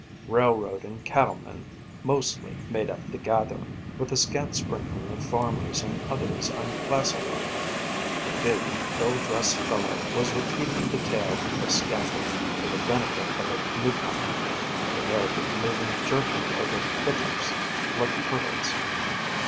Railroad and cattle men, mostly, made up the gathering, with a scant sprinkling of farmers and others unclassified. A big, ill dressed fellow was repeating the tale of scandal for the benefit of a newcomer; the narrative moving jerkily over hiccoughs, like hurdles.